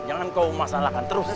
bapak sudah kembali ke sekolah